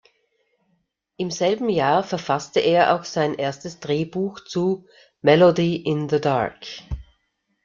Im selben Jahr verfasste er auch sein erstes Drehbuch zu "Melody in the Dark".